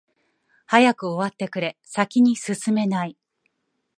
早く終わってくれ、先に進めない。